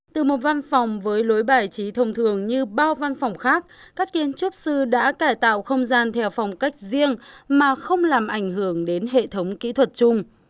từ một văn phòng với lối bài trí thông thường như bao văn phòng khác các kiến trúc sư đã cải tạo không gian theo phong cách riêng mà không làm ảnh hưởng đến hệ thống kỹ thuật chung